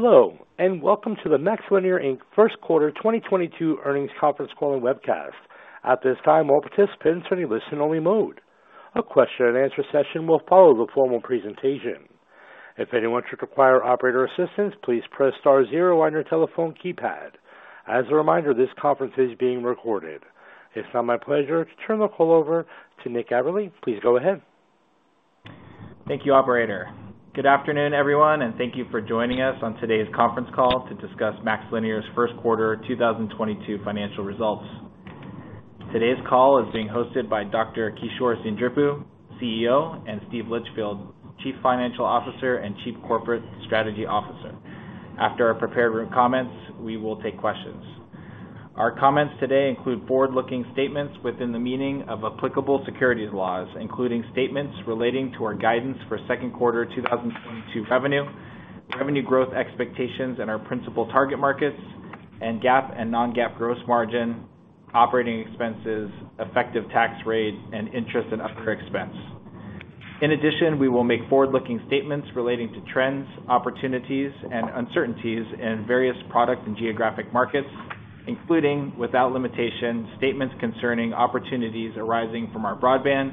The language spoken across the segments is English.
Hello, and welcome to the MaxLinear Inc. First Quarter 2022 Earnings Conference Call and Webcast. At this time, all participants are in listen only mode. A Q&A session will follow the formal presentation. If anyone should require operator assistance, please press star zero on your telephone keypad. As a reminder, this conference is being recorded. It's now my pleasure to turn the call over to Nick Aberle. Please go ahead. Thank you, operator. Good afternoon, everyone, and thank you for joining us on today's conference call to discuss MaxLinear's first quarter 2022 financial results. Today's call is being hosted by Dr. Kishore Seendripu, CEO, and Steve Litchfield, Chief Financial Officer and Chief Corporate Strategy Officer. After our prepared comments, we will take questions. Our comments today include forward-looking statements within the meaning of applicable securities laws, including statements relating to our guidance for second quarter 2022 revenue growth expectations in our principal target markets, and GAAP and non-GAAP gross margin, operating expenses, effective tax rate, and interest and other expense. In addition, we will make forward-looking statements relating to trends, opportunities and uncertainties in various product and geographic markets, including without limitation, statements concerning opportunities arising from our broadband,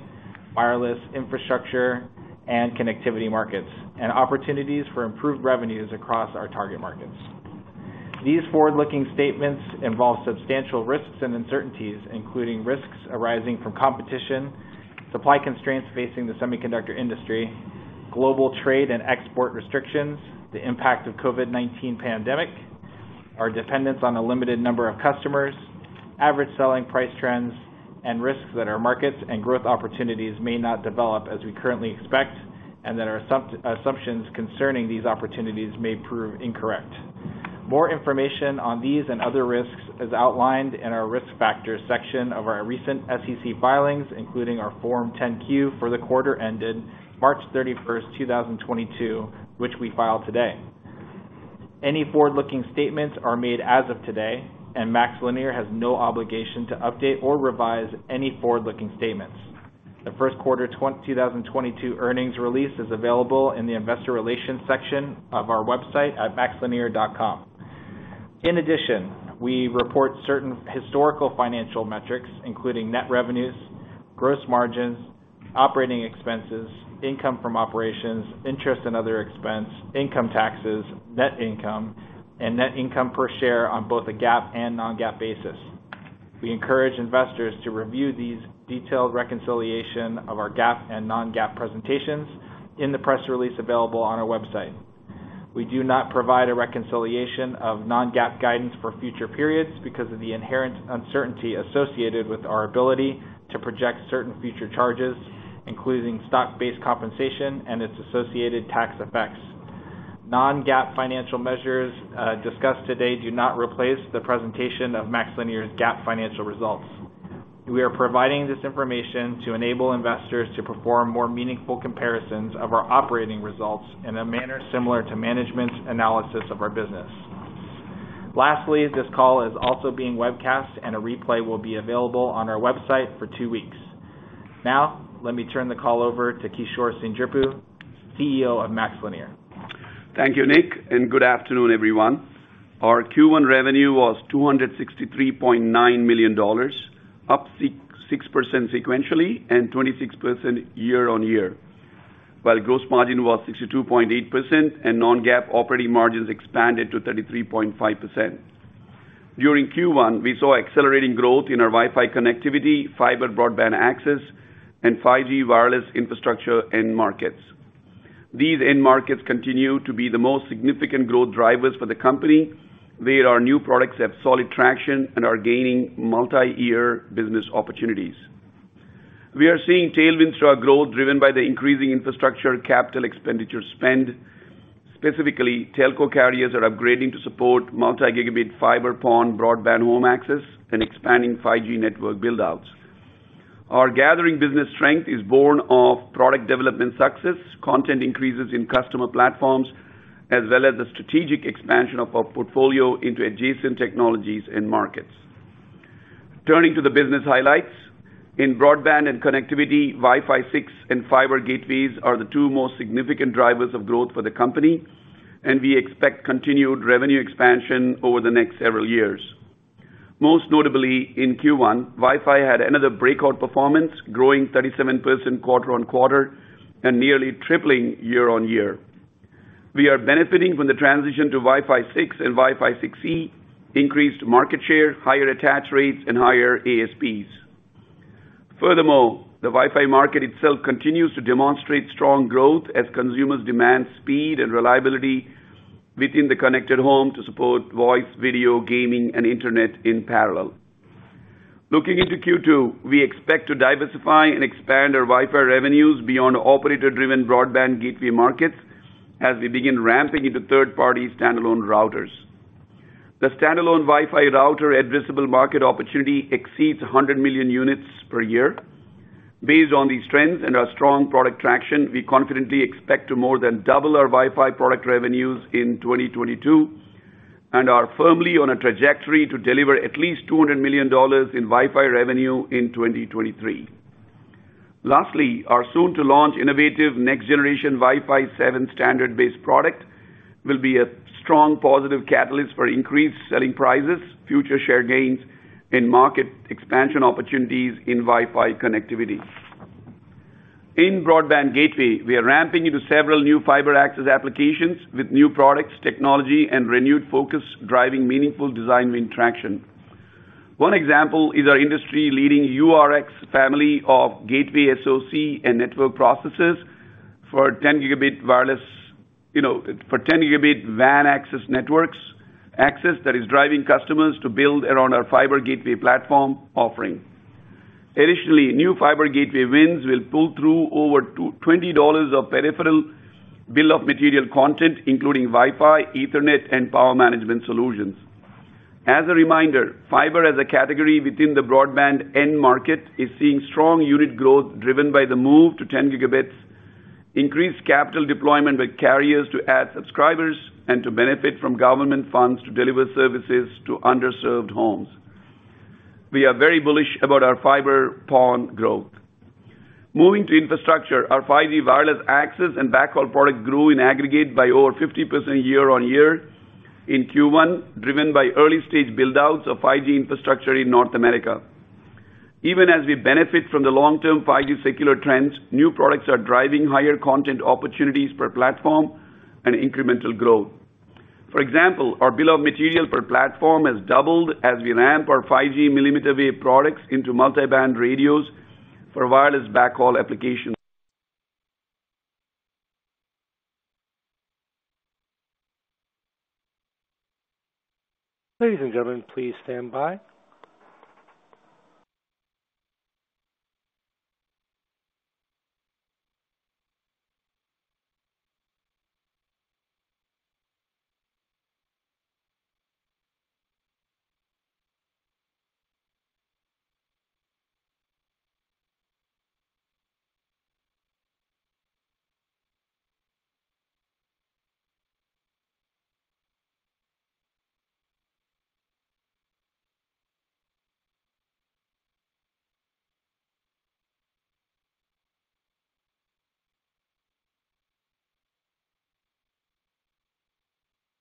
wireless infrastructure and connectivity markets, and opportunities for improved revenues across our target markets. These forward-looking statements involve substantial risks and uncertainties, including risks arising from competition, supply constraints facing the semiconductor industry, global trade and export restrictions, the impact of COVID-19 pandemic, our dependence on a limited number of customers, average selling price trends and risks that our markets and growth opportunities may not develop as we currently expect, and that our assumptions concerning these opportunities may prove incorrect. More information on these and other risks is outlined in our risk factors section of our recent SEC filings, including our Form 10-Q for the quarter ended March 31, 2022, which we filed today. Any forward-looking statements are made as of today, and MaxLinear has no obligation to update or revise any forward-looking statements. The first quarter 2022 earnings release is available in the investor relations section of our website at maxlinear.com. In addition, we report certain historical financial metrics, including net revenues, gross margins, operating expenses, income from operations, interest and other expense, income taxes, net income, and net income per share on both a GAAP and non-GAAP basis. We encourage investors to review these detailed reconciliation of our GAAP and non-GAAP presentations in the press release available on our website. We do not provide a reconciliation of non-GAAP guidance for future periods because of the inherent uncertainty associated with our ability to project certain future charges, including stock-based compensation and its associated tax effects. Non-GAAP financial measures discussed today do not replace the presentation of MaxLinear's GAAP financial results. We are providing this information to enable investors to perform more meaningful comparisons of our operating results in a manner similar to management's analysis of our business. Lastly, this call is also being webcast, and a replay will be available on our website for two weeks. Now, let me turn the call over to Kishore Seendripu, CEO of MaxLinear. Thank you, Nick, and good afternoon, everyone. Our Q1 revenue was $263.9 million, up 6.6% sequentially and 26% year-over-year, while gross margin was 62.8% and non-GAAP operating margins expanded to 33.5%. During Q1, we saw accelerating growth in our Wi-Fi connectivity, fiber broadband access, and 5G wireless infrastructure end markets. These end markets continue to be the most significant growth drivers for the company, where our new products have solid traction and are gaining multi-year business opportunities. We are seeing tailwinds to our growth driven by the increasing infrastructure capital expenditure spend. Specifically, telco carriers are upgrading to support multi-gigabit fiber PON broadband home access and expanding 5G network build-outs. Our gathering business strength is born of product development success, content increases in customer platforms, as well as the strategic expansion of our portfolio into adjacent technologies and markets. Turning to the business highlights. In broadband and connectivity, Wi-Fi 6 and fiber gateways are the two most significant drivers of growth for the company, and we expect continued revenue expansion over the next several years. Most notably, in Q1, Wi-Fi had another breakout performance, growing 37% quarter-over-quarter and nearly tripling year-over-year. We are benefiting from the transition to Wi-Fi 6 and Wi-Fi 6E, increased market share, higher attach rates, and higher ASPs. Furthermore, the Wi-Fi market itself continues to demonstrate strong growth as consumers demand speed and reliability within the connected home to support voice, video, gaming, and internet in parallel. Looking into Q2, we expect to diversify and expand our Wi-Fi revenues beyond operator-driven broadband gateway markets as we begin ramping into third-party standalone routers. The standalone Wi-Fi router addressable market opportunity exceeds 100 million units per year. Based on these trends and our strong product traction, we confidently expect to more than double our Wi-Fi product revenues in 2022 and are firmly on a trajectory to deliver at least $200 million in Wi-Fi revenue in 2023. Lastly, our soon to launch innovative next generation Wi-Fi 7 standard-based product will be a strong positive catalyst for increased selling prices, future share gains, and market expansion opportunities in Wi-Fi connectivity. In broadband gateway, we are ramping into several new fiber access applications with new products, technology, and renewed focus driving meaningful design win traction. One example is our industry-leading URX family of gateway SoC and network processors for 10 Gb wireless, you know, for 10 Gb WAN access networks that is driving customers to build around our fiber gateway platform offering. Additionally, new fiber gateway wins will pull through over $20 of peripheral bill of material content, including Wi-Fi, Ethernet and power management solutions. As a reminder, fiber as a category within the broadband end market is seeing strong unit growth, driven by the move to 10 Gb, increased capital deployment by carriers to add subscribers and to benefit from government funds to deliver services to underserved homes. We are very bullish about our fiber PON growth. Moving to infrastructure, our 5G wireless access and backhaul product grew in aggregate by over 50% year-on-year in Q1, driven by early-stage build outs of 5G infrastructure in North America. Even as we benefit from the long-term 5G secular trends, new products are driving higher content opportunities per platform and incremental growth. For example, our bill of material per platform has doubled as we ramp our 5G millimeter wave products into multi-band radios for wireless backhaul applications.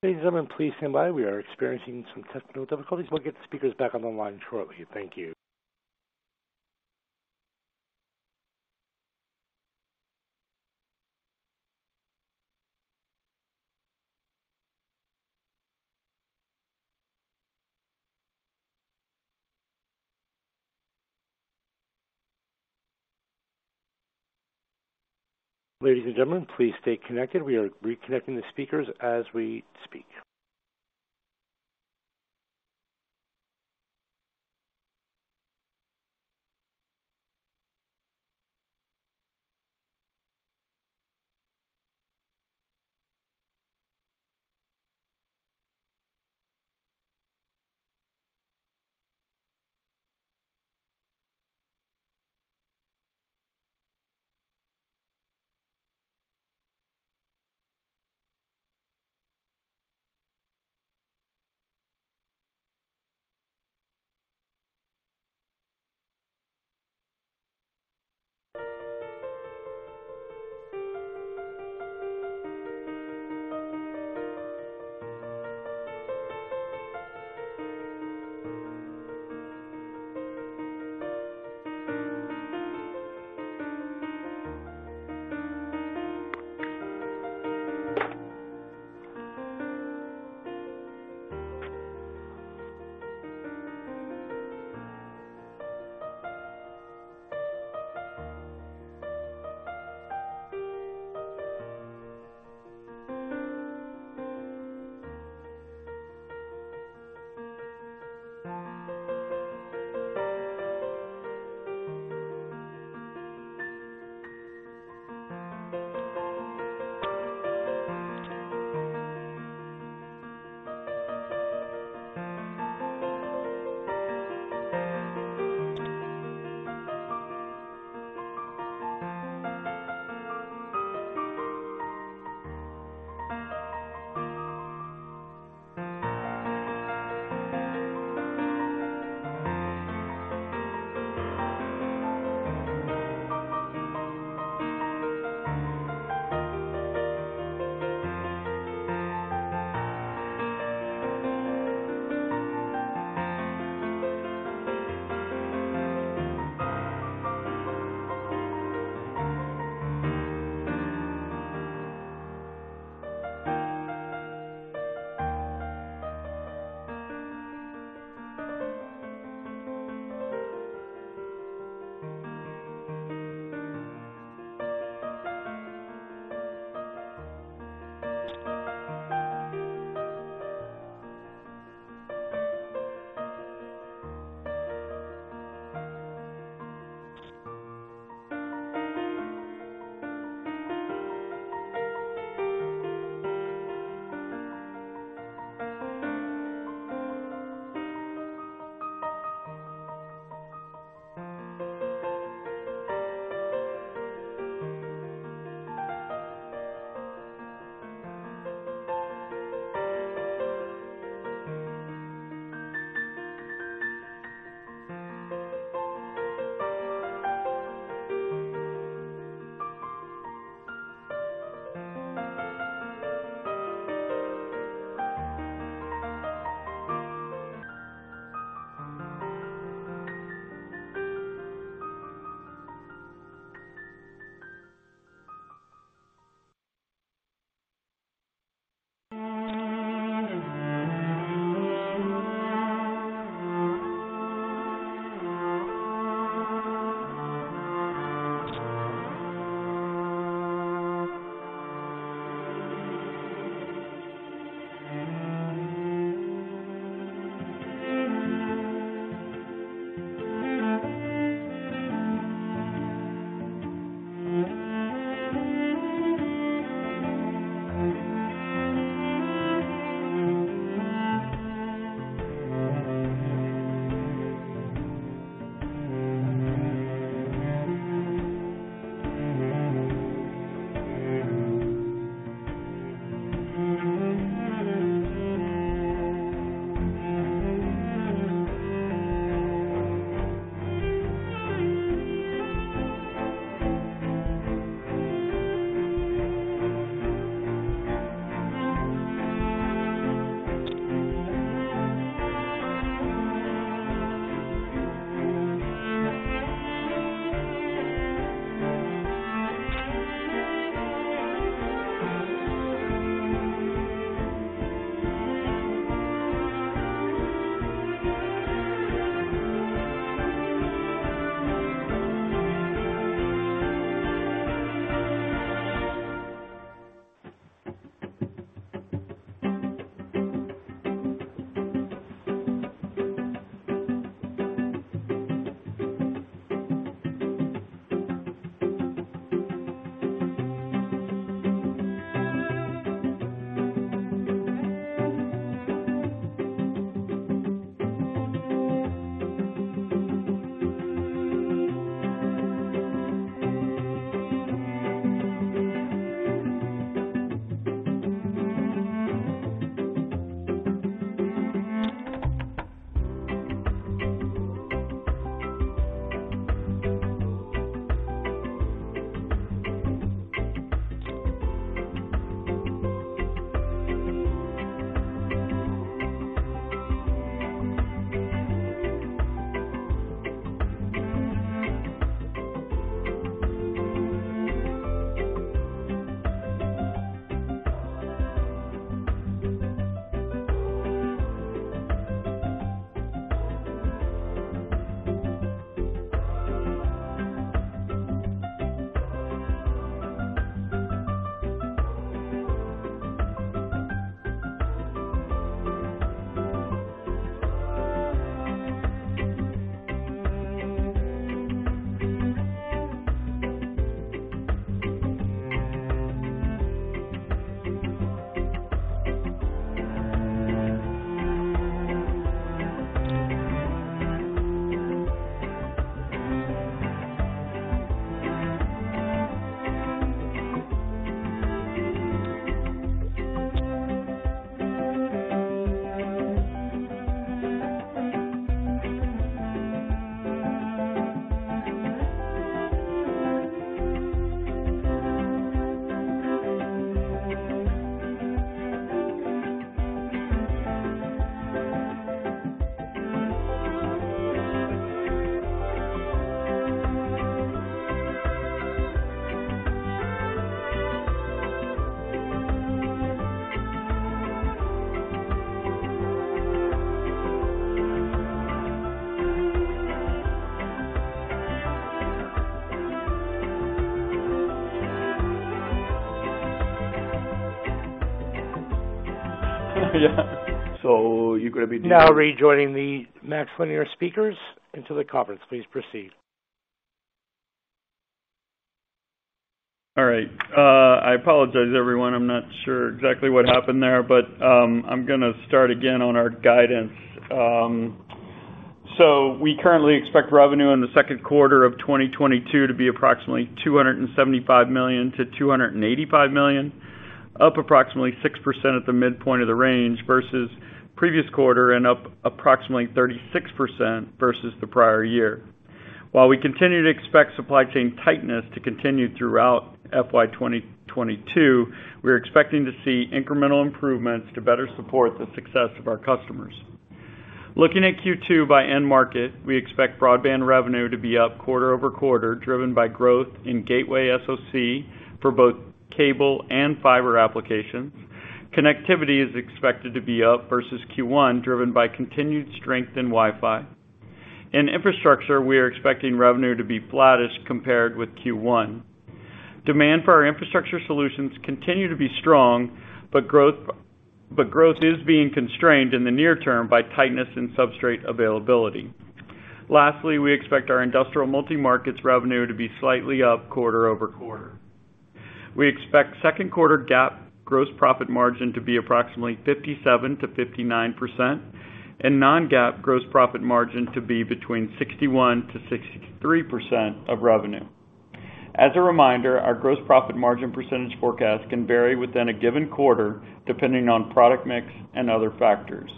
Ladies and gentlemen, please stand by. We are experiencing some technical difficulties. We'll get the speakers back on the line shortly. Thank you. Ladies and gentlemen, please stay connected. We are reconnecting the speakers as we speak. So you're gonna be- Now rejoining the MaxLinear speakers into the conference. Please proceed. All right. I apologize everyone. I'm not sure exactly what happened there, but I'm gonna start again on our guidance. We currently expect revenue in the second quarter of 2022 to be approximately $275 million-$285 million, up approximately 6% at the midpoint of the range versus previous quarter and up approximately 36% versus the prior year. While we continue to expect supply chain tightness to continue throughout FY 2022, we're expecting to see incremental improvements to better support the success of our customers. Looking at Q2 by end market, we expect broadband revenue to be up quarter-over-quarter, driven by growth in gateway SoC for both cable and fiber applications. Connectivity is expected to be up versus Q1, driven by continued strength in Wi-Fi. In infrastructure, we are expecting revenue to be flattish compared with Q1. Demand for our infrastructure solutions continue to be strong, but growth is being constrained in the near term by tightness and substrate availability. Lastly, we expect our industrial multimarkets revenue to be slightly up quarter-over-quarter. We expect second quarter GAAP gross profit margin to be approximately 57%-59% and non-GAAP gross profit margin to be between 61%-63% of revenue. As a reminder, our gross profit margin percentage forecast can vary within a given quarter depending on product mix and other factors.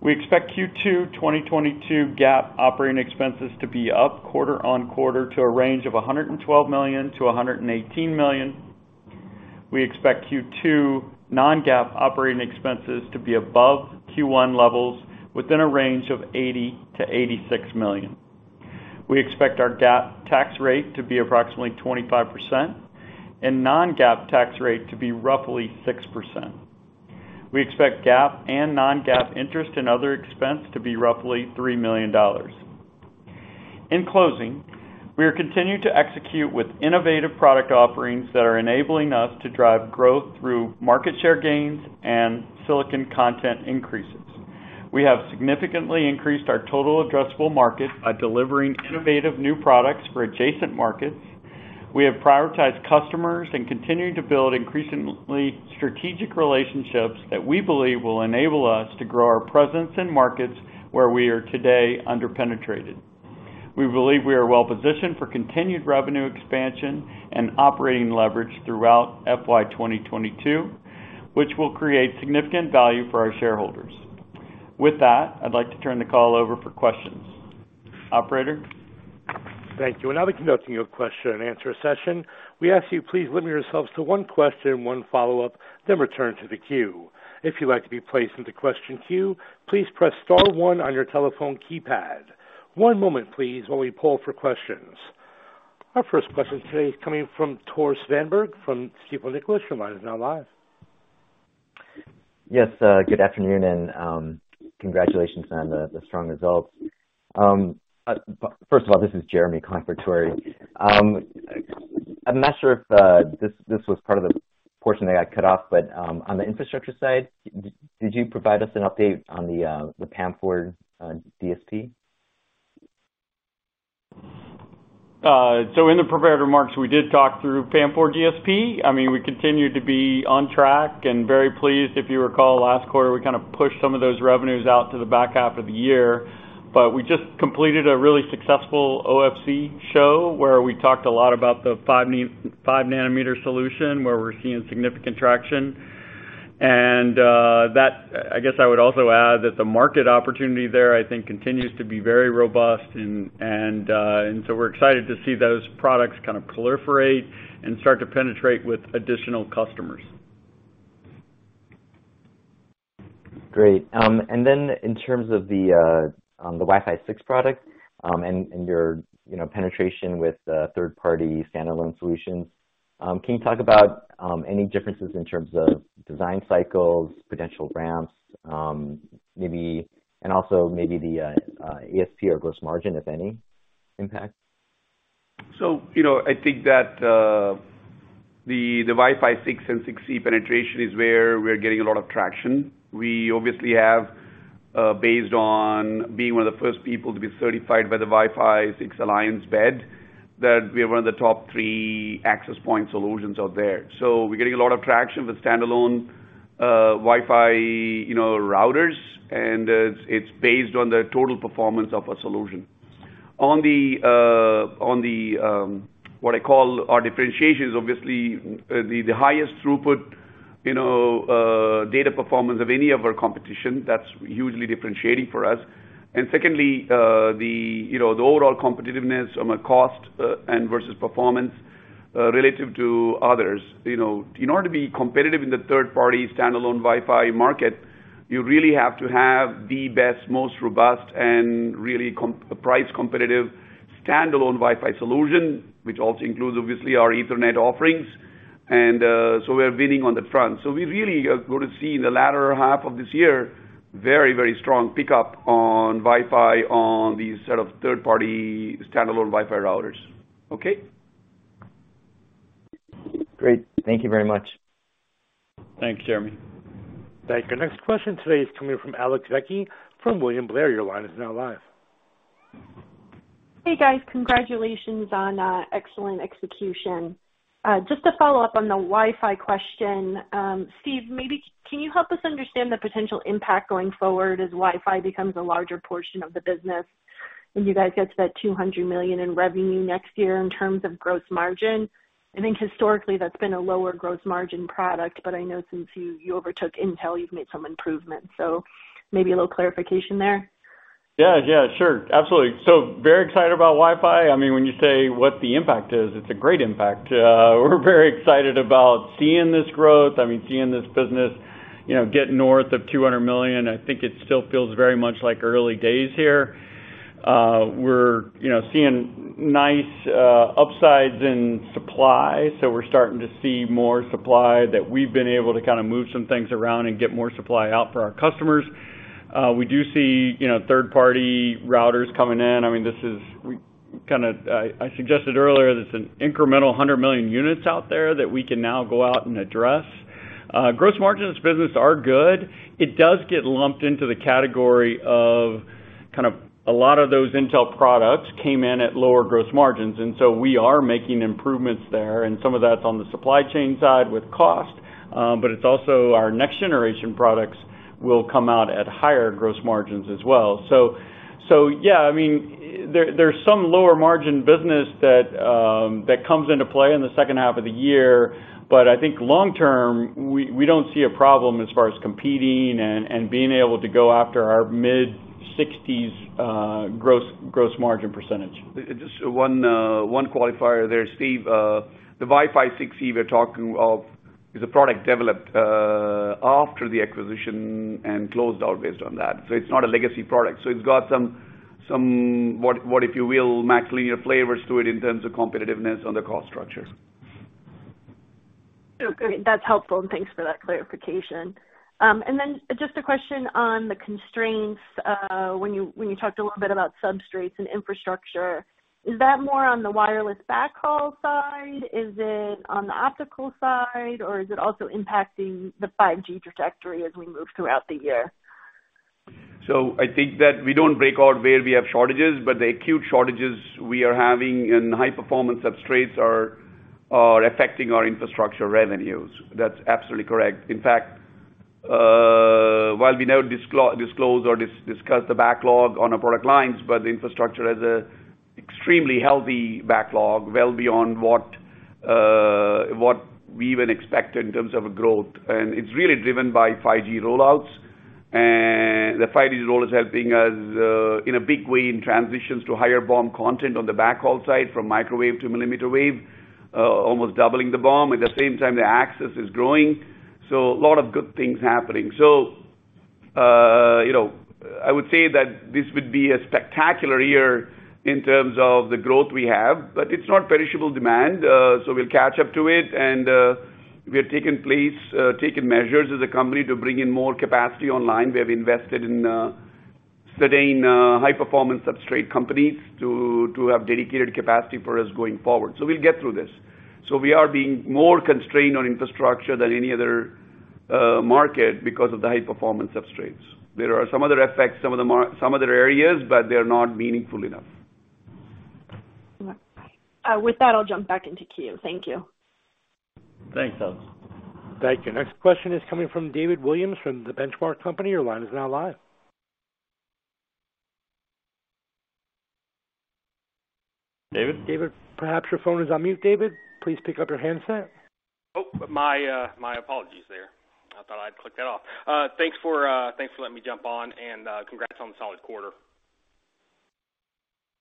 We expect Q2 2022 GAAP operating expenses to be up quarter on quarter to a range of $112 million-$118 million. We expect Q2 non-GAAP operating expenses to be above Q1 levels within a range of $80 million-$86 million. We expect our GAAP tax rate to be approximately 25% and non-GAAP tax rate to be roughly 6%. We expect GAAP and non-GAAP interest and other expense to be roughly $3 million. In closing, we are continuing to execute with innovative product offerings that are enabling us to drive growth through market share gains and silicon content increases. We have significantly increased our total addressable market by delivering innovative new products for adjacent markets. We have prioritized customers and continuing to build increasingly strategic relationships that we believe will enable us to grow our presence in markets where we are today under-penetrated. We believe we are well-positioned for continued revenue expansion and operating leverage throughout FY 2022, which will create significant value for our shareholders. With that, I'd like to turn the call over for questions. Operator? Thank you. We're now conducting a Q&A session. We ask you please limit yourselves to one question, one follow-up, then return to the queue. If you'd like to be placed into question queue, please press star one on your telephone keypad. One moment, please, while we poll for questions. Our first question today is coming from Tore Svanberg from Stifel Nicolaus. Your line is now live. Yes, good afternoon and, congratulations on the strong results. First of all, this is Jeremy covering for Tore. I'm not sure if this was part of the portion that got cut off, but on the infrastructure side, did you provide us an update on the PAM4 DSP? In the prepared remarks, we did talk through PAM4 DSP. I mean, we continue to be on track and very pleased. If you recall, last quarter, we kind of pushed some of those revenues out to the back half of the year. We just completed a really successful OFC show where we talked a lot about the 5nm solution, where we're seeing significant traction. I guess I would also add that the market opportunity there, I think, continues to be very robust, and so we're excited to see those products kind of proliferate and start to penetrate with additional customers. Great. In terms of the Wi-Fi 6 product, and your you know penetration with third-party standalone solutions, can you talk about any differences in terms of design cycles, potential ramps, maybe and also maybe the ASP or gross margin, if any impact? You know, I think that the Wi-Fi 6 and 6E penetration is where we're getting a lot of traction. We obviously have based on being one of the first people to be certified by the Wi-Fi Alliance, that we're one of the top three access point solutions out there. We're getting a lot of traction with standalone Wi-Fi routers, and it's based on the total performance of a solution. On what I call our differentiations, obviously the highest throughput data performance of any of our competition. That's hugely differentiating for us. Secondly, the overall competitiveness from a cost and versus performance relative to others. You know, in order to be competitive in the third-party standalone Wi-Fi market, you really have to have the best, most robust and really price competitive standalone Wi-Fi solution, which also includes obviously our Ethernet offerings. We're winning on that front. We really are gonna see in the latter half of this year, very, very strong pickup on Wi-Fi on these set of third-party standalone Wi-Fi routers. Okay. Great. Thank you very much. Thanks, Jeremy. Thank you. Next question today is coming from Alex Vecchi from William Blair. Your line is now live. Hey, guys. Congratulations on excellent execution. Just to follow up on the Wi-Fi question, Steve, maybe can you help us understand the potential impact going forward as Wi-Fi becomes a larger portion of the business, and you guys get to that $200 million in revenue next year in terms of gross margin? I think historically that's been a lower gross margin product, but I know since you overtook Intel, you've made some improvements. Maybe a little clarification there. Yeah, yeah. Sure. Absolutely. Very excited about Wi-Fi. I mean, when you say what the impact is, it's a great impact. We're very excited about seeing this growth, I mean, seeing this business, you know, get north of $200 million. I think it still feels very much like early days here. We're, you know, seeing nice upsides in supply. We're starting to see more supply that we've been able to kind of move some things around and get more supply out for our customers. We do see, you know, third-party routers coming in. I mean, this is. I suggested earlier that it's an incremental 100 million units out there that we can now go out and address. Gross margins business are good. It does get lumped into the category of kind of a lot of those Intel products came in at lower gross margins, and so we are making improvements there, and some of that's on the supply chain side with cost. It's also our next generation products will come out at higher gross margins as well. Yeah, I mean, there's some lower margin business that that comes into play in the second half of the year. I think long term, we don't see a problem as far as competing and being able to go after our mid-60s% gross margin. Just one qualifier there, Steve. The Wi-Fi 6E we're talking of is a product developed after the acquisition and closed out based on that. It's not a legacy product. It's got some what if you will, MaxLinear flavors to it in terms of competitiveness on the cost structure. Okay. That's helpful, and thanks for that clarification. Just a question on the constraints, when you talked a little bit about substrates and infrastructure, is that more on the wireless backhaul side? Is it on the optical side, or is it also impacting the 5G trajectory as we move throughout the year? I think that we don't break out where we have shortages, but the acute shortages we are having in high-performance substrates are affecting our infrastructure revenues. That's absolutely correct. In fact, while we never disclose or discuss the backlog on our product lines, but the infrastructure has an extremely healthy backlog, well beyond what we even expect in terms of growth. It's really driven by 5G rollouts. The 5G rollout is helping us in a big way in transitions to higher BOM content on the backhaul side from microwave to millimeter wave, almost doubling the BOM. At the same time, the access is growing, so a lot of good things happening. You know, I would say that this would be a spectacular year in terms of the growth we have, but it's not perishable demand. We'll catch up to it. We have taken measures as a company to bring in more capacity online. We have invested in certain high-performance substrate companies to have dedicated capacity for us going forward. We'll get through this. We are being more constrained on infrastructure than any other market because of the high-performance substrates. There are some other effects, some of them are other areas, but they're not meaningful enough. All right. With that, I'll jump back into queue. Thank you. Thanks, Alex. Thank you. Next question is coming from David Williams from The Benchmark Company. Your line is now live. David? David, perhaps your phone is on mute, David. Please pick up your handset. Oh, my apologies there. I thought I'd clicked that off. Thanks for letting me jump on, and congrats on the solid quarter.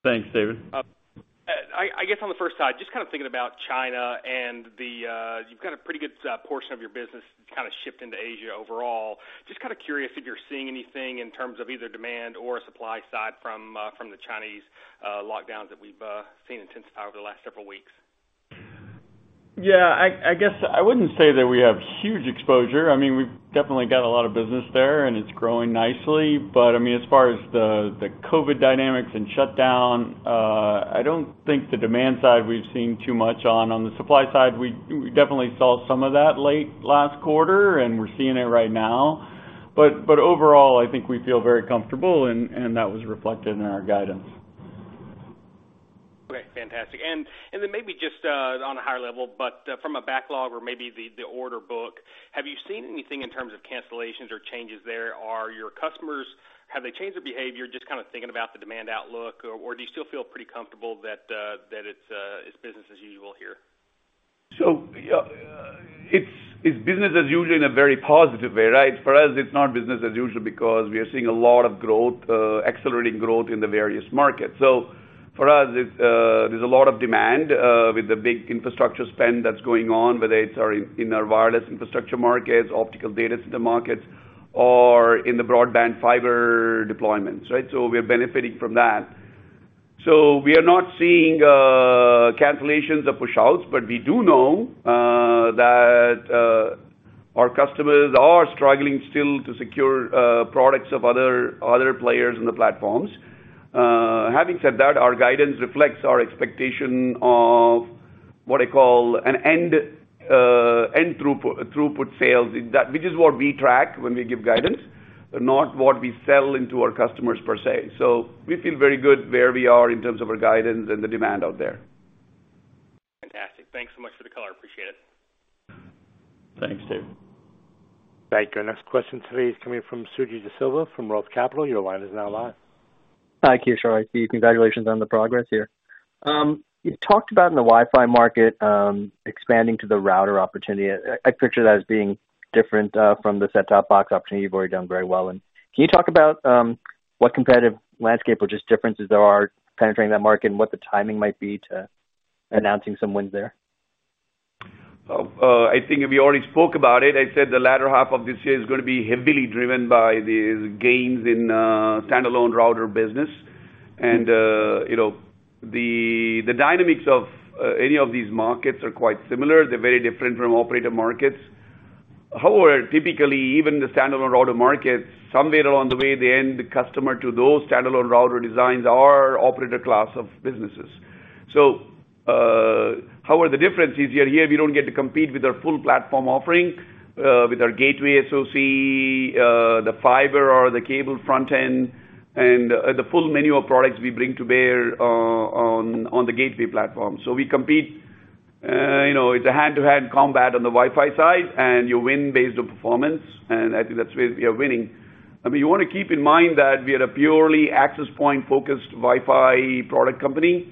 Thanks, David. I guess on the first side, just kind of thinking about China and you've got a pretty good portion of your business kind of shipped into Asia overall. Just kind of curious if you're seeing anything in terms of either demand or supply side from the Chinese lockdowns that we've seen intensify over the last several weeks. Yeah, I guess I wouldn't say that we have huge exposure. I mean, we've definitely got a lot of business there, and it's growing nicely. But I mean, as far as the COVID dynamics and shutdown, I don't think the demand side we've seen too much on. On the supply side, we definitely saw some of that late last quarter, and we're seeing it right now. But overall, I think we feel very comfortable and that was reflected in our guidance. Okay, fantastic. Then maybe just on a higher level, but from a backlog or maybe the order book, have you seen anything in terms of cancellations or changes there? Are your customers? Have they changed their behavior, just kind of thinking about the demand outlook or do you still feel pretty comfortable that it's business as usual here? Yeah, it's business as usual in a very positive way, right? For us, it's not business as usual because we are seeing a lot of growth, accelerating growth in the various markets. There's a lot of demand with the big infrastructure spend that's going on, whether it's our wireless infrastructure markets, optical data center markets, or in the broadband fiber deployments, right? We're benefiting from that. We are not seeing cancellations or pushouts, but we do know that our customers are struggling still to secure products of other players in the platforms. Having said that, our guidance reflects our expectation of what I call an end throughput sales. That, which is what we track when we give guidance, not what we sell into our customers per se. We feel very good where we are in terms of our guidance and the demand out there. Fantastic. Thanks so much for the color. Appreciate it. Thanks, David. Thank you. Our next question today is coming from Suji Desilva from ROTH Capital. Your line is now live. Hi, Kishore. Congratulations on the progress here. You talked about in the Wi-Fi market expanding to the router opportunity. I picture that as being different from the set-top box opportunity you've already done very well in. Can you talk about what competitive landscape or just differences there are penetrating that market and what the timing might be to announcing some wins there? I think we already spoke about it. I said the latter half of this year is gonna be heavily driven by these gains in standalone router business. You know, the dynamics of any of these markets are quite similar. They're very different from operator markets. However, typically even the standalone router markets, somewhere along the way, the end customer to those standalone router designs are operator class of businesses. However, the difference is here we don't get to compete with our full platform offering with our gateway SoC, the fiber or the cable front end and the full menu of products we bring to bear on the gateway platform. We compete. You know, it's a hand-to-hand combat on the Wi-Fi side, and you win based on performance, and I think that's where we are winning. I mean, you wanna keep in mind that we are a purely access point-focused Wi-Fi product company,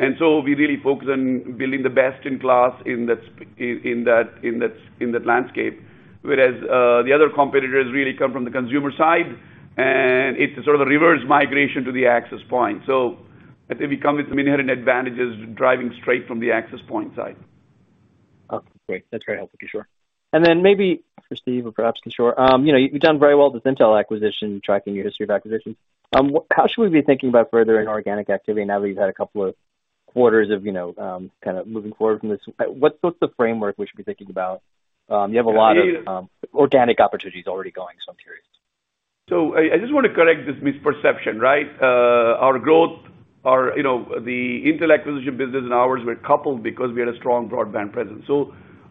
and so we really focus on building the best in class in that landscape. Whereas, the other competitors really come from the consumer side, and it's a sort of a reverse migration to the access point. I think we come with some inherent advantages driving straight from the access point side. Oh, great. That's very helpful, Kishore. Maybe for Steve or perhaps Kishore, you know, you've done very well with Intel acquisition, tracking your history of acquisitions. How should we be thinking about furthering organic activity now that you've had a couple of quarters of, you know, kinda moving forward from this? What's the framework we should be thinking about? You have a lot of organic opportunities already going, so I'm curious. I just want to correct this misperception, right? Our growth, you know, the Intel acquisition business and ours were coupled because we had a strong broadband presence.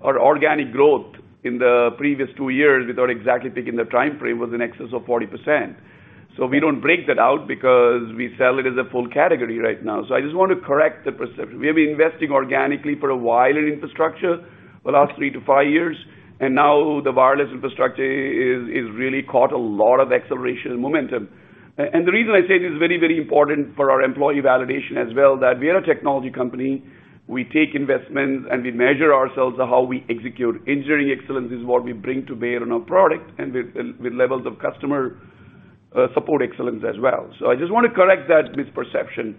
Our organic growth in the previous two years, without exactly picking the time frame, was in excess of 40%. We don't break that out because we sell it as a full category right now. I just want to correct the perception. We have been investing organically for a while in infrastructure for the last three to five years, and now the wireless infrastructure is really catching a lot of acceleration and momentum. And the reason I say this is very, very important for our employee validation as well, that we are a technology company. We take investments, and we measure ourselves on how we execute. Engineering excellence is what we bring to bear on our product and with levels of customer support excellence as well. I just wanna correct that misperception.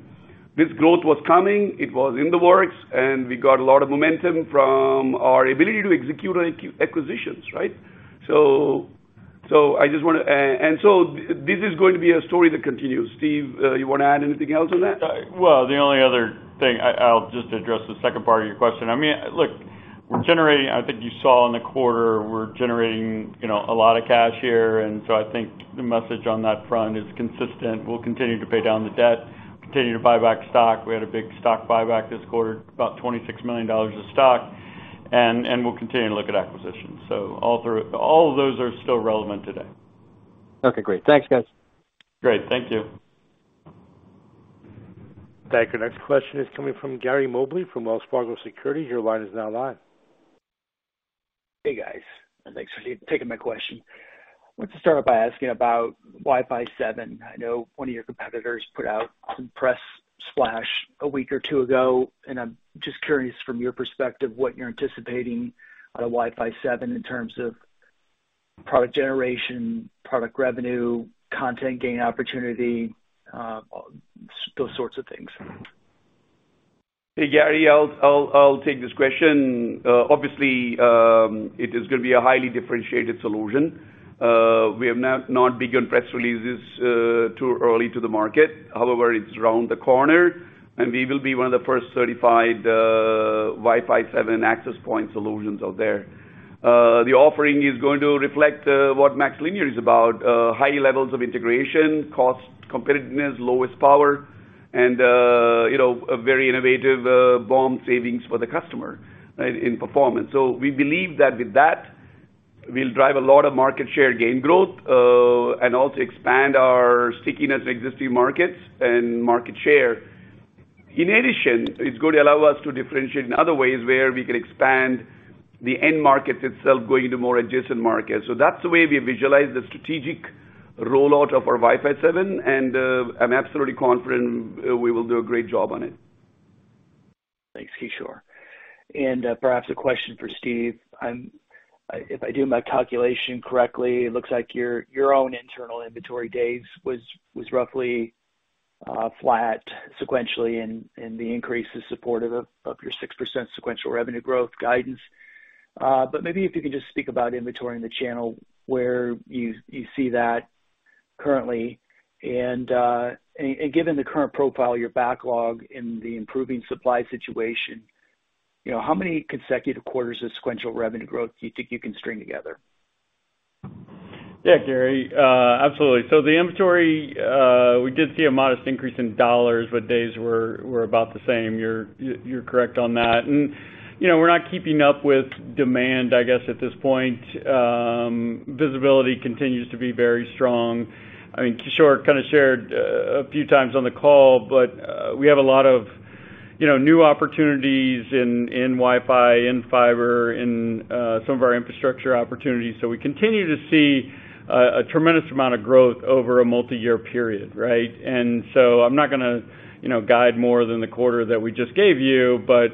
This growth was coming, it was in the works, and we got a lot of momentum from our ability to execute acquisitions, right? I just wanna, and so this is going to be a story that continues. Steve, you wanna add anything else on that? Well, the only other thing I’ll just address the second part of your question. I mean, look, I think you saw in the quarter, we’re generating, you know, a lot of cash here. I think the message on that front is consistent. We’ll continue to pay down the debt, continue to buy back stock. We had a big stock buyback this quarter, about $26 million of stock, and we’ll continue to look at acquisitions. All of those are still relevant today. Okay, great. Thanks, guys. Great. Thank you. Thank you. Next question is coming from Gary Mobley from Wells Fargo Securities. Your line is now live. Hey, guys, and thanks for taking my question. I want to start by asking about Wi-Fi 7. I know one of your competitors put out some press splash a week or two ago, and I'm just curious from your perspective, what you're anticipating out of Wi-Fi 7 in terms of product generation, product revenue, content gain opportunity, those sorts of things. Hey, Gary, I'll take this question. Obviously, it is gonna be a highly differentiated solution. We have not begun press releases too early to the market. However, it's around the corner, and we will be one of the first certified Wi-Fi 7 access point solutions out there. The offering is going to reflect what MaxLinear is about, high levels of integration, cost competitiveness, lowest power, and, you know, a very innovative BOM savings for the customer, right, in performance. So we believe that with that, we'll drive a lot of market share gain growth, and also expand our stickiness in existing markets and market share. In addition, it's gonna allow us to differentiate in other ways where we can expand the end market itself going into more adjacent markets. That's the way we visualize the strategic rollout of our Wi-Fi 7, and I'm absolutely confident we will do a great job on it. Thanks, Kishore. Perhaps a question for Steve. If I do my calculation correctly, it looks like your own internal inventory days was roughly flat sequentially, and the increase is supportive of your 6% sequential revenue growth guidance. But maybe if you can just speak about inventory in the channel where you see that currently. Given the current profile of your backlog and the improving supply situation, you know, how many consecutive quarters of sequential revenue growth do you think you can string together? Yeah, Gary. Absolutely. The inventory, we did see a modest increase in dollars, but days were about the same. You're correct on that. You know, we're not keeping up with demand, I guess, at this point. Visibility continues to be very strong. I mean, Kishore kinda shared a few times on the call, but we have a lot of, you know, new opportunities in Wi-Fi, in fiber, in some of our infrastructure opportunities. We continue to see a tremendous amount of growth over a multiyear period, right? I'm not gonna, you know, guide more than the quarter that we just gave you, but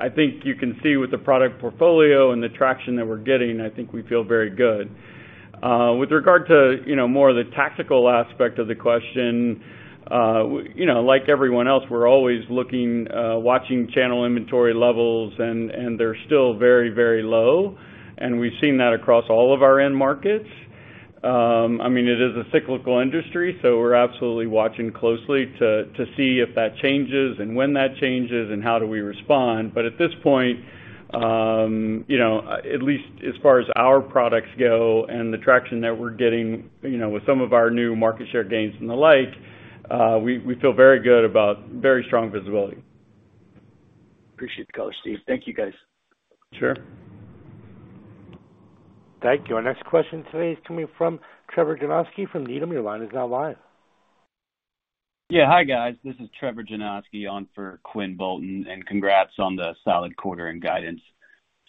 I think you can see with the product portfolio and the traction that we're getting, I think we feel very good. With regard to, you know, more of the tactical aspect of the question, you know, like everyone else, we're always looking, watching channel inventory levels and they're still very, very low, and we've seen that across all of our end markets. I mean, it is a cyclical industry, so we're absolutely watching closely to see if that changes and when that changes and how do we respond. But at this point, you know, at least as far as our products go and the traction that we're getting, you know, with some of our new market share gains and the like, we feel very good about very strong visibility. Appreciate the color, Steve. Thank you, guys. Sure. Thank you. Our next question today is coming from Trevor Janoskie from Needham. Your line is now live. Yeah. Hi, guys. This is Trevor Janoskie on for Quinn Bolton, and congrats on the solid quarter and guidance.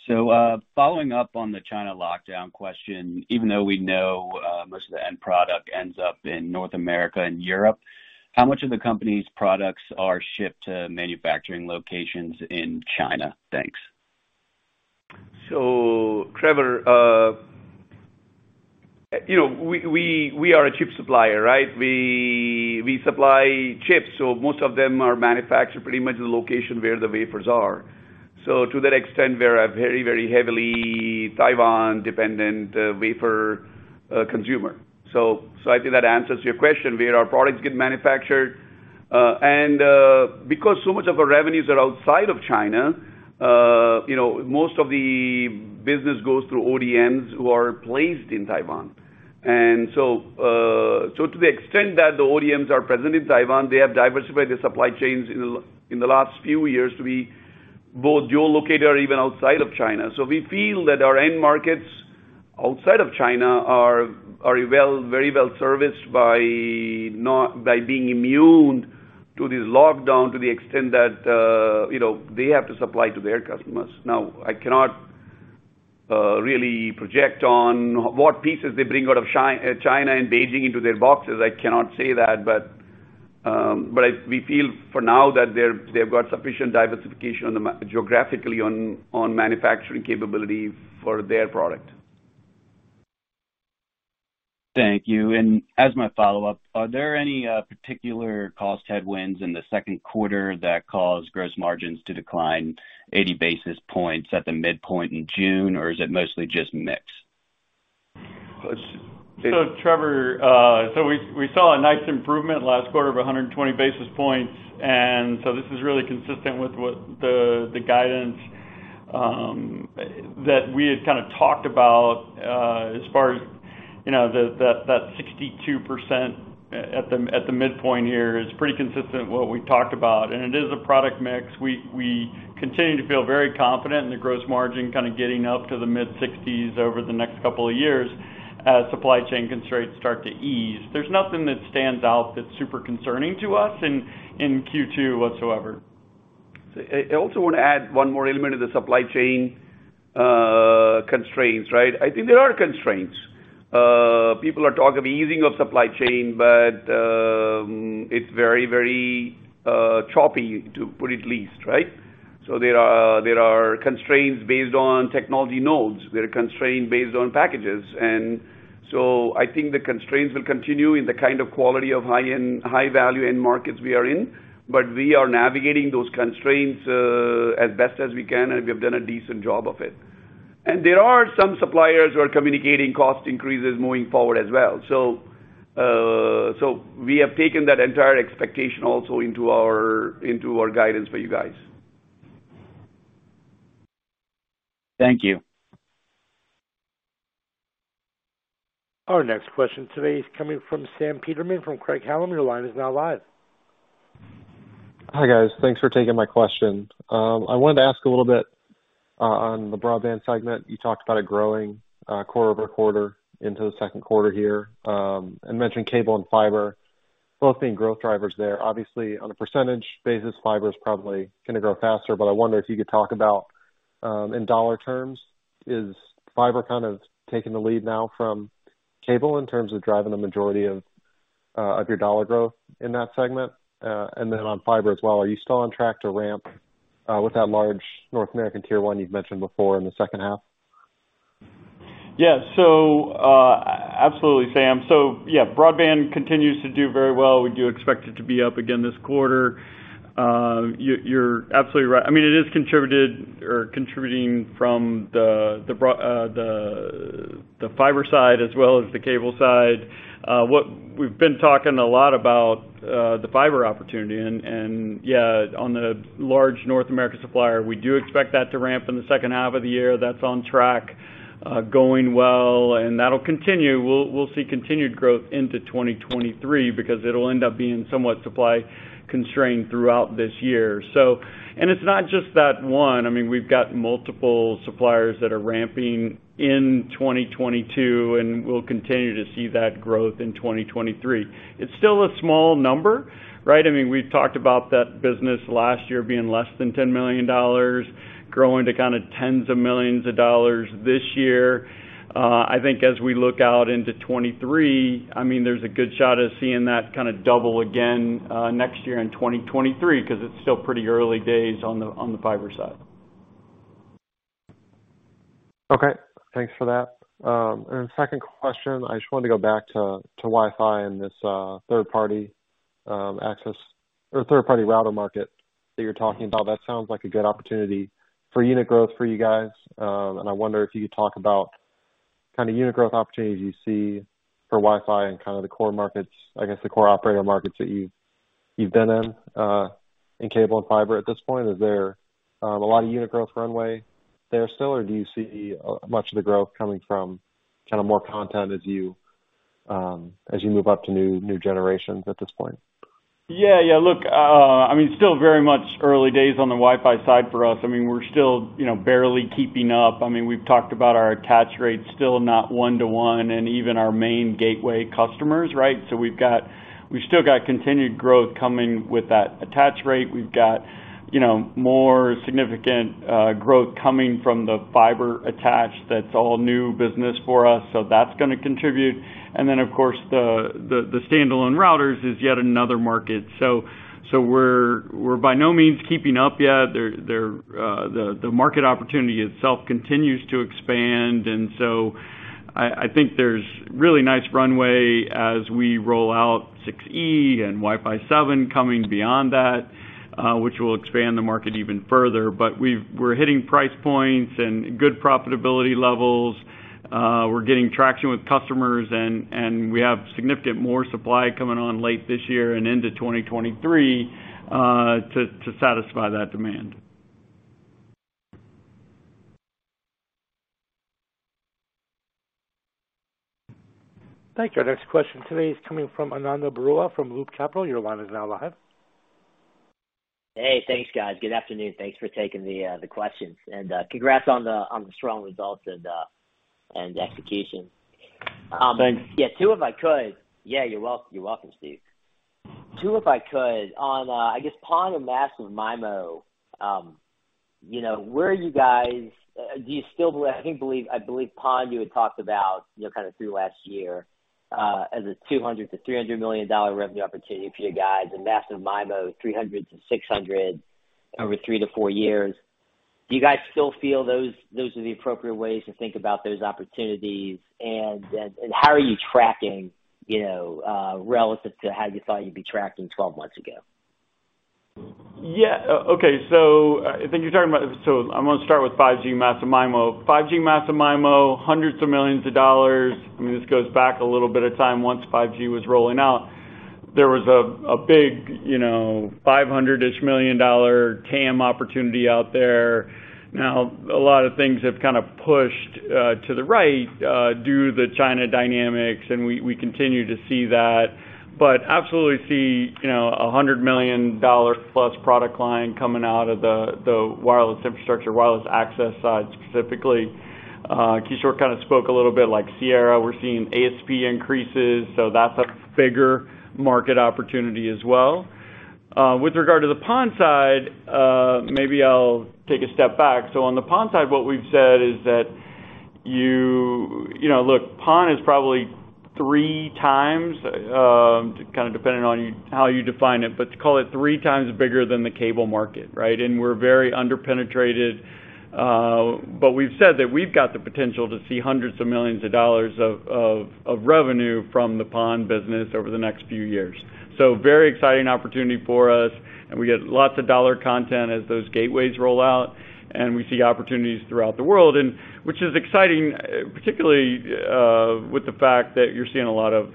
Following up on the China lockdown question, even though we know, most of the end product ends up in North America and Europe, how much of the company's products are shipped to manufacturing locations in China? Thanks. Trevor, you know, we are a chip supplier, right? We supply chips, so most of them are manufactured pretty much the location where the wafers are. To that extent, we're a very heavily Taiwan-dependent wafer consumer. I think that answers your question where our products get manufactured. Because so much of our revenues are outside of China, you know, most of the business goes through ODMs who are placed in Taiwan. To the extent that the ODMs are present in Taiwan, they have diversified their supply chains in the last few years to be both dual located or even outside of China. We feel that our end markets outside of China are very well serviced by being immune to this lockdown to the extent that they have to supply to their customers. Now, I cannot really project on what pieces they bring out of China and Beijing into their boxes. I cannot say that, but we feel for now that they've got sufficient diversification geographically on manufacturing capability for their product. Thank you. As my follow-up, are there any particular cost headwinds in the second quarter that caused gross margins to decline 80 basis points at the midpoint in June, or is it mostly just mix? Let's see. Trevor, we saw a nice improvement last quarter of 100 basis points, and this is really consistent with what the guidance that we had kinda talked about as far as, you know, that 62% at the midpoint here is pretty consistent what we talked about. It is a product mix. We continue to feel very confident in the gross margin kinda getting up to the mid-60s% over the next couple of years as supply chain constraints start to ease. There's nothing that stands out that's super concerning to us in Q2 whatsoever. I also want to add one more element of the supply chain constraints, right? I think there are constraints. People are talking of easing of supply chain, but it's very choppy, to put it least, right? There are constraints based on technology nodes. There are constraints based on packages. I think the constraints will continue in the kind of quality of high-end, high-value end markets we are in, but we are navigating those constraints as best as we can, and we have done a decent job of it. There are some suppliers who are communicating cost increases moving forward as well. We have taken that entire expectation also into our guidance for you guys. Thank you. Our next question today is coming from Sam Peterman from Craig-Hallum. Your line is now live. Hi, guys. Thanks for taking my question. I wanted to ask a little bit on the broadband segment. You talked about it growing quarter-over-quarter into the second quarter here, and mentioned cable and fiber both being growth drivers there. Obviously on a percentage basis, fiber is probably gonna grow faster, but I wonder if you could talk about in dollar terms, is fiber kind of taking the lead now from cable in terms of driving the majority of your dollar growth in that segment? And then on fiber as well, are you still on track to ramp with that large North American tier one you've mentioned before in the second half? Yeah. Absolutely, Sam. Yeah, broadband continues to do very well. We do expect it to be up again this quarter. You're absolutely right. I mean, it is contributed or contributing from the fiber side as well as the cable side. What we've been talking a lot about, the fiber opportunity and yeah, on the large North America supplier, we do expect that to ramp in the second half of the year. That's on track, going well, and that'll continue. We'll see continued growth into 2023 because it'll end up being somewhat supply constrained throughout this year. It's not just that one. I mean, we've got multiple suppliers that are ramping in 2022, and we'll continue to see that growth in 2023. It's still a small number, right? I mean, we've talked about that business last year being less than $10 million growing to kinda tens of millions of dollars this year. I think as we look out into 2023, I mean, there's a good shot of seeing that kinda double again, next year in 2023 'cause it's still pretty early days on the fiber side. Okay. Thanks for that. Second question, I just wanted to go back to Wi-Fi and this third party access or third party router market that you're talking about. That sounds like a good opportunity for unit growth for you guys. I wonder if you could talk about kinda unit growth opportunities you see for Wi-Fi and kinda the core markets, I guess the core operator markets that you've been in cable and fiber at this point. Is there a lot of unit growth runway there still, or do you see much of the growth coming from kinda more content as you As you move up to new generations at this point. Yeah, yeah. Look, I mean, still very much early days on the Wi-Fi side for us. I mean, we're still, you know, barely keeping up. I mean, we've talked about our attach rate still not one-to-one and even our main gateway customers, right? So we've still got continued growth coming with that attach rate. We've got, you know, more significant growth coming from the fiber attach. That's all new business for us, so that's gonna contribute. And then, of course, the standalone routers is yet another market. So we're by no means keeping up yet. The market opportunity itself continues to expand. I think there's really nice runway as we roll out Wi-Fi 6E and Wi-Fi 7 coming beyond that, which will expand the market even further. We're hitting price points and good profitability levels. We're getting traction with customers and we have significantly more supply coming on late this year and into 2023, to satisfy that demand. Thank you. Our next question today is coming from Ananda Baruah from Loop Capital. Your line is now live. Hey, thanks, guys. Good afternoon. Thanks for taking the questions. Congrats on the strong results and execution. Two, if I could. Thanks. Yeah, you're welcome, Steve. The, if I could, on I guess PON and Massive MIMO, you know, where are you guys. Do you still believe PON you had talked about, you know, kind of through last year, as a $200 million-$300 million-dollar revenue opportunity for you guys and Massive MIMO, $300 million-$600 million over three to four years. Do you guys still feel those are the appropriate ways to think about those opportunities? How are you tracking, you know, relative to how you thought you'd be tracking 12 months ago? Okay, I think you're talking about. I'm gonna start with 5G Massive MIMO. 5G Massive MIMO, hundreds of millions of dollars. I mean, this goes back a little bit of time. Once 5G was rolling out, there was a big, you know, $500 million TAM opportunity out there. Now, a lot of things have kind of pushed to the right due to the China dynamics, and we continue to see that. But absolutely see, you know, a $100 million-plus product line coming out of the wireless infrastructure, wireless access side specifically. Kishore kind of spoke a little bit like Sierra. We're seeing ASP increases, so that's a bigger market opportunity as well. With regard to the PON side, maybe I'll take a step back. On the PON side, what we've said is that you. You know, look, PON is probably three times, kind of depending on how you define it, but call it three times bigger than the cable market, right? We're very under-penetrated. We've said that we've got the potential to see hundreds of millions of dollars of revenue from the PON business over the next few years. Very exciting opportunity for us, and we get lots of dollar content as those gateways roll out, and we see opportunities throughout the world and which is exciting, particularly, with the fact that you're seeing a lot of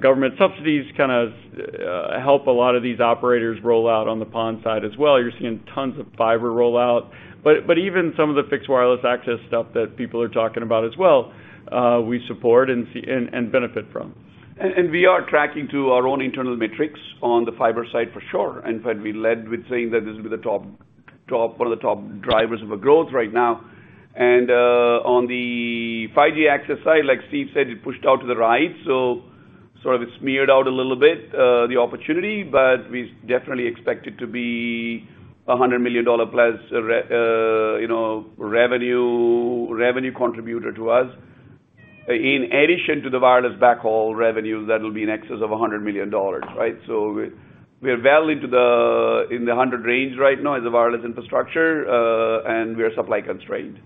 government subsidies kind of help a lot of these operators roll out on the PON side as well. You're seeing tons of fiber roll out. Even some of the fixed wireless access stuff that people are talking about as well, we support and benefit from. We are tracking to our own internal metrics on the fiber side for sure. In fact, we led with saying that this will be one of the top drivers of our growth right now. On the 5G access side, like Steve said, it pushed out to the right, so sort of it smeared out a little bit, the opportunity, but we definitely expect it to be a $100 million-plus revenue contributor to us in addition to the wireless backhaul revenue that'll be in excess of $100 million, right? We are well into the 100 range right now as a wireless infrastructure, and we are supply constrained.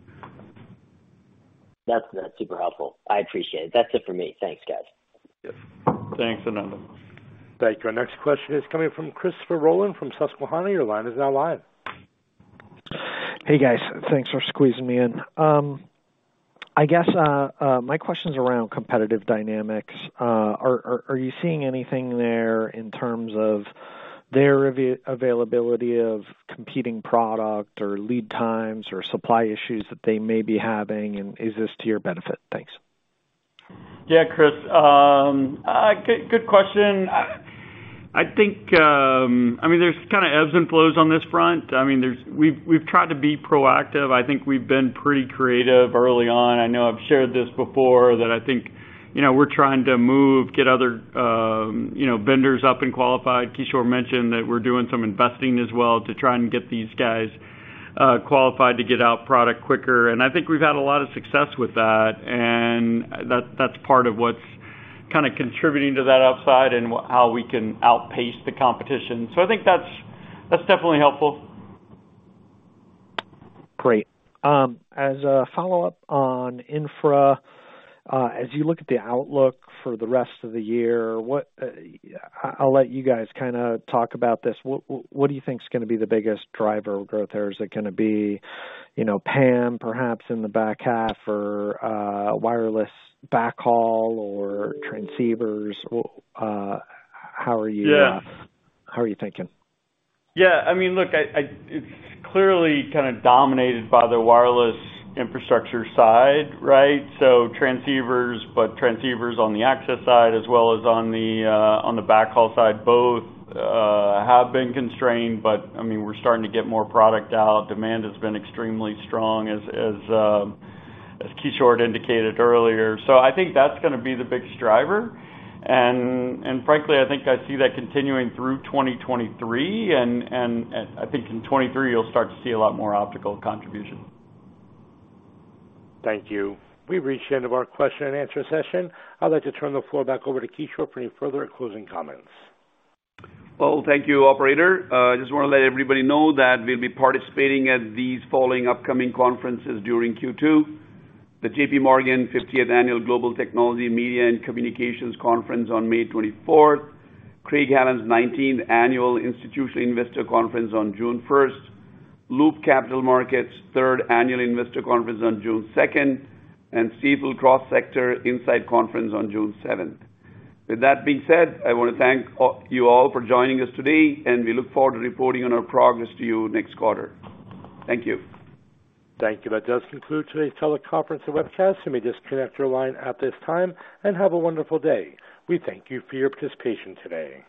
That's super helpful. I appreciate it. That's it for me. Thanks, guys. Yes. Thanks, Ananda. Thank you. Our next question is coming from Christopher Rolland from Susquehanna. Your line is now live. Hey, guys. Thanks for squeezing me in. I guess my question's around competitive dynamics. Are you seeing anything there in terms of their availability of competing product or lead times or supply issues that they may be having, and is this to your benefit? Thanks. Yeah, Chris. Good question. I think I mean, there's kind of ebbs and flows on this front. I mean, we've tried to be proactive. I think we've been pretty creative early on. I know I've shared this before, that I think, you know, we're trying to move, get other, you know, vendors up and qualified. Kishore mentioned that we're doing some investing as well to try and get these guys qualified to get our product quicker. I think we've had a lot of success with that, and that's part of what's kind of contributing to that upside and how we can outpace the competition. I think that's definitely helpful. Great. As a follow-up on infra, as you look at the outlook for the rest of the year, what, I'll let you guys kinda talk about this. What do you think is gonna be the biggest driver of growth there? Is it gonna be, you know, PAM perhaps in the back half or, wireless backhaul or transceivers? How are you? Yeah. How are you thinking? I mean, look, it's clearly kind of dominated by the wireless infrastructure side, right? Transceivers, but transceivers on the access side as well as on the backhaul side both have been constrained. I mean, we're starting to get more product out. Demand has been extremely strong as Kishore indicated earlier. I think that's gonna be the biggest driver. Frankly, I think I see that continuing through 2023 and I think in 2023 you'll start to see a lot more optical contribution. Thank you. We've reached the end of our Q&A session. I'd like to turn the floor back over to Kishore for any further closing comments. Well, thank you, operator. I just wanna let everybody know that we'll be participating at these following upcoming conferences during Q2. The JPMorgan 50th Annual Global Technology Media and Communications Conference on May 24, Craig-Hallum's 19th Annual Institutional Investor Conference on June 1, Loop Capital Markets 3rd Annual Investor Conference on June 2, and Stifel Cross Sector Insight Conference on June 7. With that being said, I wanna thank you all for joining us today, and we look forward to reporting on our progress to you next quarter. Thank you. Thank you. That does conclude today's teleconference and webcast. You may disconnect your line at this time and have a wonderful day. We thank you for your participation today.